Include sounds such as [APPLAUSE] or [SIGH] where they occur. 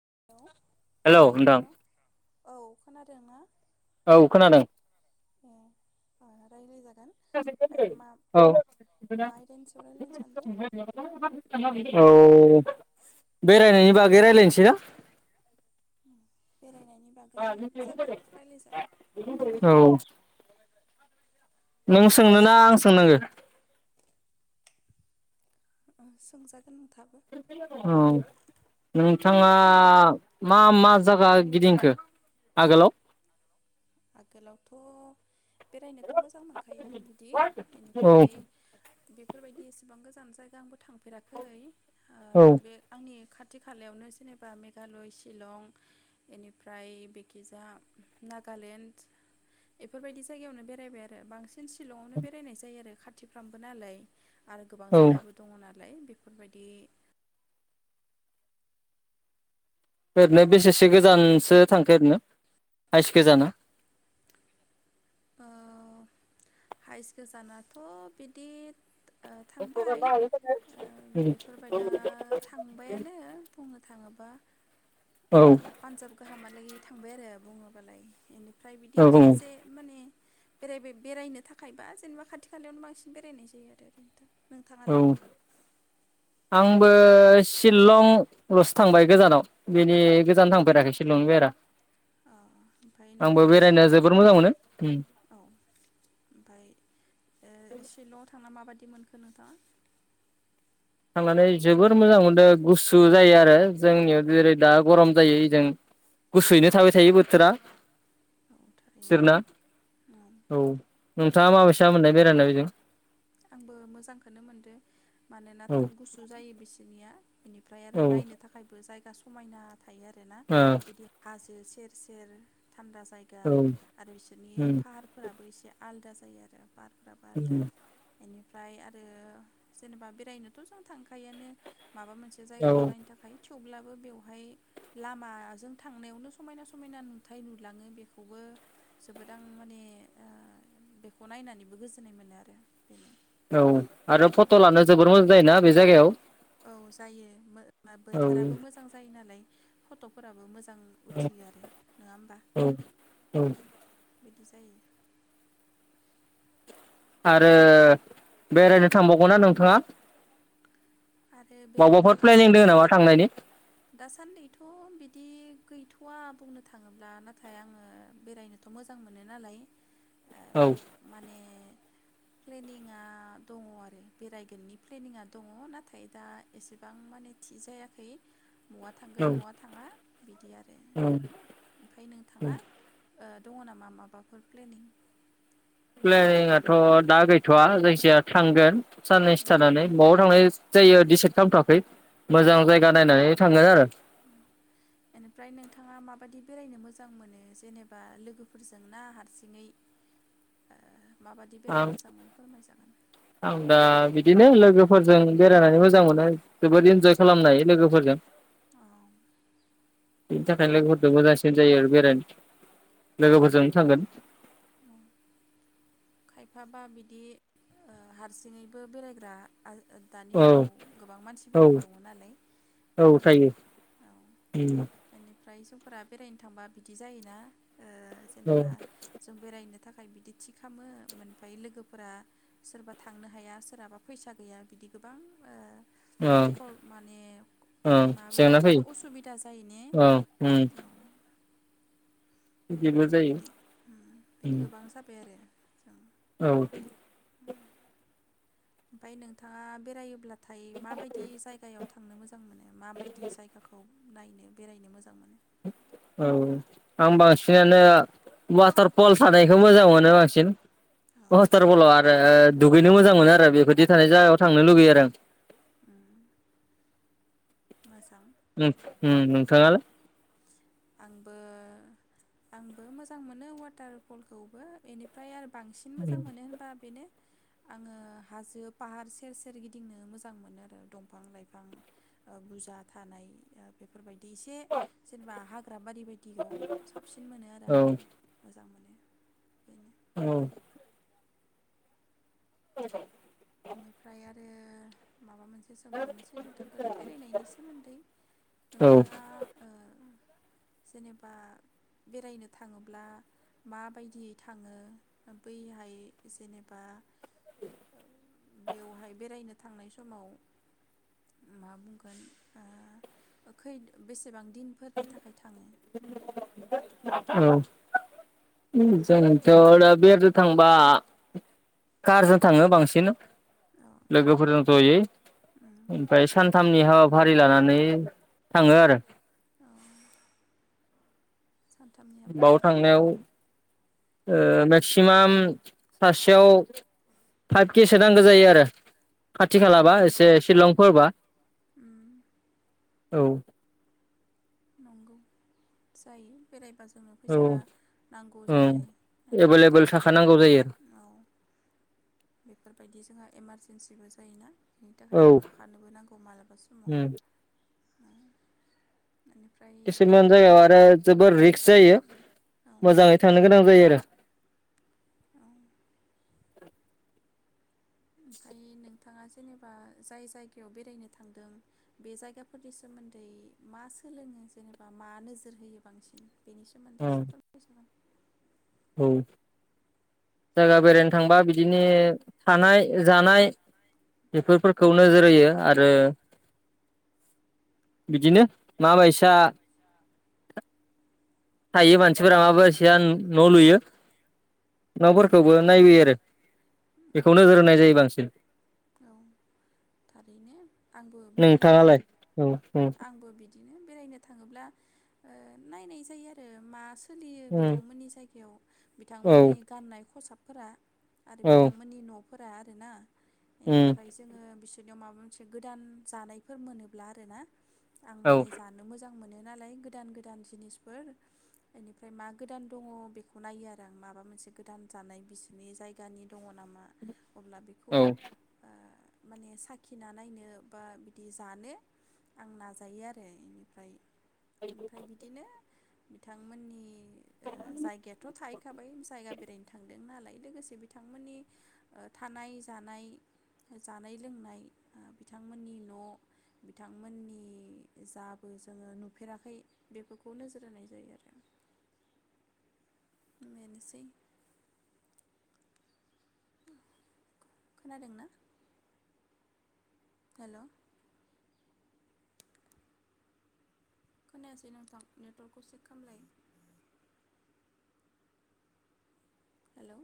[INAUDIBLE] हेल होनदां हेलौ औ खोनादों ना? औ खोनादों ओ रायज्लायजागोन ओमफ्राय [INAUDIBLE] मा औ [INAUDIBLE] मा आयदानि सायाव रायज्लायनो सानदों औ बेरायनायनि बागै रायलायनोसै ना? बेरायनाय औ नों सोंनो ना रायज्लायजागोन आं सोंनांगो? ओं सोंजाग औ नोंथाङा मा मा जागा गिदिंखो आगोलाव? आगोलावथ बेरायनोथ मोजां मोनखायो आं बिदि औ इनिफ्राय बेफोरबायदि एसेबां गोजान जायगा आंबो थां फेराखै औ बे आंनि खाद खाथि खालायावनो जेनेबा मेघालय शिलं बेनिफ्राय बेखिजा नागालेण्ड बेफोरबायदि जायगायावनो बेरायबाय आरो बांसिन शीलंआवनो बेरायनाय जायो आरो खाथिफ्रामबो नालाय आरो गोबां औ जायगाबो दङ ना नालाय बेफोरबायदि ओरैनो बेसेसो गोजानसो थांखो ओरैनो हाइस गोजाना हाइस गोजानाथ बिदि थांबाय औ बेफोरबाय दा थांबायानो बुंनो थाङोब्ला औ पान्जाब गाहाम नै थांबाय आरो बुङोबालाय इनि ओमफ्राय बिदि औ खेबसे माने बेरायबाय बेरायनो थाखायबा जेनेबा खाथि खालायावनो बांसिन बेरायनाय जायो आरो। औ नोंथाङालाय? आंबो सिलंल'सो थांबाय गोजानाव बेनि गोजानाव थांफेराखै सिलंनि बाहेरा। औ ओमफ्राय आंबो नोंथाङा बेरायनो जोबोर मोजां मोनो। उम सिलंआव औ ओमफाय सिलंआव थांना माबायदि मोनखो नोंथाङा? थांनानै जोबोर मोजां मोनदों गुसु जायो आरो जोंनियाव जेरै दा गरम जायो इजों गुसुयैनो थाबाय थायो बोथोरा। औ थारैनो बेसोरना औ। नोंथाङा माबेसा मोननाय बेरायनाय बेजों? आंबो मोजांखोनो मोनदो। मानोना औ गुसु जायो बिस दुनिया बेनिफ्राय आरो औ ओ नायनो थाखायबो जाय दा समायना थायो आरोना औ बिदि हाजो से सेर-सेर थान्दा जायगा उम आरो बिसोरनि फाहारफोराबो एसे आलदा जायो आरो पार [UNINTELLIGIBLE] बेनिफ्राय आरो जेनेबा बेरायनोथ' जों थांखायोआनो। माबा मोनसे औ जायगाखौ नायनो थाखाय थेवब्लाबो बेवहाय लामाजों थांनायावनो समायना समायना नुथाय नुलाङो बेखौबो जोबोद आं माने ओ बेखौ नायनानैबो गोजोननाय मोनो आरो। बेनो औ आरो फट' लानो जोबोर मोजां जायोना बे जायगायाव? औ जायो मो औ बोथोराबो मोजां जायो नालाय। फट'फोराबो मोजां मोजां उथियो आरो नङा होमबा? औ बिदि जायो। आरो बेरायनो थांबावगो ना नोंथाङा? आरो बबावबाफोर बेरायनोथ' ओ प्लेनिं दङ नामा थांनायनि दासान्दैथ' बिदि गैथ'वा बुंनो थाङोब्ला नाथाय आङो बेरायनोथ' मोजां मोनो नालाय ओ औ माने प्लेनिङा दङ आरो बेरायगोननि प्लेनिङा दङ नाथ नाथाय दा एसेबां माने थि जायाखै महा औ थांगोन महा थाङा बिदि आरो औ ओमफाय नोंथाङा ओ दङ नामा माबाफोर प्लेनिं? [UNINTELLIGIBLE] दा गैथवा जायखिजाया थांगोन साननैसो उम थानानै मयाव थांनाय जायो डिसाइद खामथवाखै औ मोजां जायगा नायनानै थांगोन आरो बादि बेरायनो मोजां मोनो जेनेबा लोगोफोरजों ना हारसिङै ओ? माबादि बेरायनो आं मोजां मोनो फोरमायजागोन आं दा बिदिनो लोगोफोरजों बेरायनानै मोजां मोनो जोबोद इन्जय खालामनो हायो लोगोफोरजों औ बिनि थाखायलाय नंगौ [UNINTELLIGIBLE] जायो आरो बेराय औ लोगोफोरजों थांगोन औ खायफाबा बिदि ओ हारसिङैबो बेरायग्रा दानि औ जुगाव गोबां औ मानसिफोरबो दङ' नालाय औ बेनो आरो थायो औ इनि ओमफ्राय जोंफोरा बेरायनो थांबा बिदि जायोना ओ औ जेनेबा जों बेरायनो थाखाय बिदि थिग खामो ओमफ्राय लोगोफोरा सोरबा थांनो हाया सोरहाबा फैसा गैया बिदि गोबां औ ओ [UNINTELLIGIBLE] माने औ मा जेंना बुंगोन फैयो बेखौ असुबिदा जायो ने? औ बिदिबो जायो बिदि बिदि उम गोबां जाबाय [INAUDIBLE] औ। उमफ्राय नोंथाङा बेरायोब्ला थाय माबायदि जायगायाव थांनो मोजां मोनो मोने माबायदि जायगाखौ नायनो बेरायनो मोजां मोनो? औ आं बांसिनानो वाटारपल थानायखौ मोजां मोनो बांसिन औ वाटारपलाव आरो दुगैनो मोजां मोनो आरो बेफोरबादि थानाय जायगायाव थांनो लुगैयो आरो आं। [INAUDIBLE] मोजां ओम ओम औ नोंथाङा आंबो आंबो मोजां मोनो वाटार फलखौबो बेनिफ्राय आरो बांसिन मोजां मोनो होनबा बेनो आङो हाजो फाहार सेर सेर गिदिंनो मोजां मोनोआरो दंफां लाइफां ओबुरजा थानाय बेफोरबायदि एसे जेनेबा हा बाब बारि बायदियाव साबसिन मोनोआरो औ आङो मो [UNINTELLIGIBLE] औ। औ [INAUDIBLE] बेनिफ्राय आरो माबा मोनसे सोंबावनोसै नोंथांखौनो बेरायनायनि सोमोन्दै औ नोंथाङा ओ जेनेबा बेरायनो थाङोब्ला माबायदियै थाङो बैहाय जेनेबा आ [UNINTELLIGIBLE] बेवहाय बेरायनो थांनाय समाव मा बुंगोन ओ खै बेस बां दिनफोरनि थाखाय थाङो? उम जोंथ' दा बेरनो थांबा कारजों थाङो बांसिन औ लोगोफोरजों जयै उम ओमफ्राय सानथामनि हाबाफारि लानानै थाङो आरो। [INAUDIBLE] सानथामनि बाव हाबाफारि थांनायाव ओ मेक्सिमाम सासेयाव फाइभ केसो नांगौ जायो आरो खाथि औ खालाबा एसे शिलंफोरबा। उम औ नंगौ जायो बेरायबा ज नो औ फैसा नांगौ ओं जायो बेनिफ्राय एभेलेबोल आरो थाखानांगौ जायो औ बेफोरबायदि जोंहा इमारजेन्सिबो ज बिनि थाखाय औ थाखानोबो नांगौ मालाबा समाव। उम उम खिसुमान जागायाव आरा जोबोर रिक स जायो। ओ औ मोजाङै जायो थांनो गोनां जायो आरो। औ [INAUDIBLE] ओमफाय नोंथाङा जेनेबा जाय जायगायाव बेरायनो थांदों बे जायगाफोरनि सोमोन्दै मा सोलोङो जेनेबा मा नोजोर होयो बांसिन? बेनि सोमोन्दै आरो एसे फोरमाय जागोन। औ जायगा बेरायनो थांबा बिदिनो थानाय जानाय बेफोरफोरखौ नोजोर होयो आरो बिदिनो माबायसा थायो मानसिफोरा माबायसा न' लुयो न'फोरखौबो नायबोयो आरो। बेखौ उम नोजोर होनाय जायो बांसिन। औ थारैनो आंबो बिदिनो नोंथाङालाय औ औ आंबो बि दिनो बेरायनो थाङोब्ला ओ नायनाय जायो आरो मा सोलियो बिथांमोननि जायगायाव बिथांमोननि औ गाननाय खसाब फोरा आरो औ बिथांमोननि न' फोरा आरो ना बेनिफ्राय जोङो बिस बिनियाव माबा मोनसे गोदान जानायफोर मोनोब्ला आरो ना आं औ माने जानो मोजां आं मोनो नालाय गोदान गोदान जिनिसफोर बेनिफ्राय मा गोदान दङ बेखौ नायो आरो आं माबा मोनसे गोदान जानाय बिसोरनि जायगानि दङ नामा। अब्ला बेखौ ओ औ माने साखिना नायनो बा बिदि जानो आं नाजायो आरो इनिफ्राय ओमफ्राय बिदिनो बिथांमोननि ओ जायगायाथ थाहैखाबाय जायगा बेरायनो थांदों नालाय लोगोसे बिथांमोननि ओ थानाय जानाय जानाय लोंनाय ओ बिथांमोननि न' बिथां बिथांमोननि जाबो जोङो नुफेराखै बेफोरखौ नोजोर होनाय जायो आरो बेनोसै। खोनादोंना? हेलौ खोनायासै नोंथां नेटवर्कखौ चेक खालामलाय। हेलौ